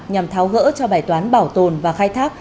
nhằm tháo gỡ cho bài toán bảo tồn và khai thác